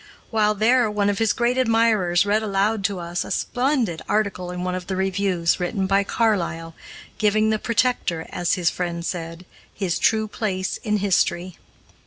While there, one of his great admirers read aloud to us a splendid article in one of the reviews, written by Carlyle, giving "The Protector," as his friend said, his true place in history.